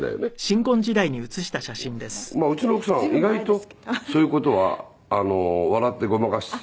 うちの奥さん意外とそういう事は笑ってごまかして。